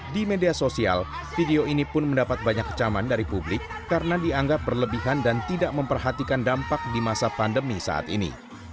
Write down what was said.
di media sosial video ini pun mendapat banyak kecaman dari publik karena dianggap berlebihan dan tidak memperhatikan dampak di masa pandemi saat ini